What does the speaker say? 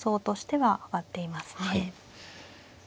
はい。